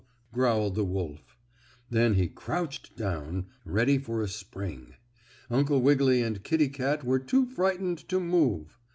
growled the wolf. Then he crouched down, ready for a spring. Uncle Wiggily and Kittie Kat were too frightened to move.